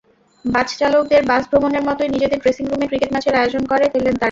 বাসচালকদের bus ভ্রমণের মতোই নিজেদের ড্রেসিংরুমে ক্রিকেট ম্যাচের আয়োজন করে ফেললেন তাঁরা।